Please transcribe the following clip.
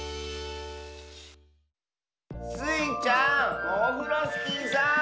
スイちゃんオフロスキーさん。